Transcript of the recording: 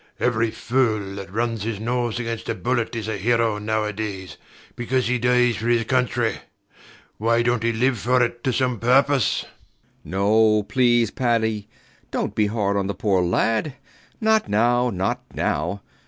Every fool that runs his nose against a bullet is a hero nowadays, because he dies for his country. Why dont he live for it to some purpose? B. B. No, please, Paddy: dont be hard on the poor lad. Not now, not now.